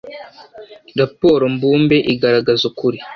Raporo mbumbe igaragaza ukuri.